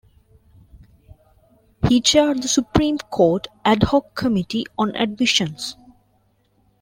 He chaired the Supreme Court Ad Hoc Committee on Admissions.